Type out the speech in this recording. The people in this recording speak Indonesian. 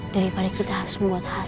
daripada kita harus membuat hasil